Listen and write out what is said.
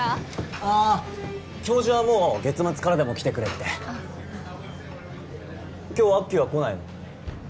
ああ教授はもう月末からでも来てくれって今日アッキーは来ないの？